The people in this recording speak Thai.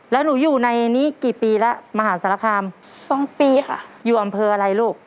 แล้วหนูอยู่ในนี้กี่ปีแล้วมหาสารคามสองปีค่ะอยู่อำเภออะไรลูก